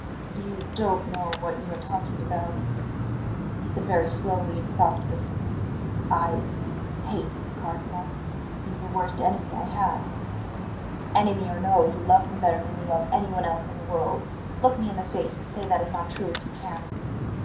"You don't know what you are talking about," he said very slowly and softly. "I hate the Cardinal. He is the worst enemy I have." "Enemy or no, you love him better than you love anyone else in the world. Look me in the face and say that is not true, if you can!"